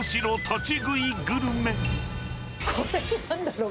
これ、なんだろう？